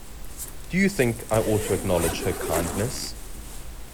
Do you think I ought to acknowledge her kindness?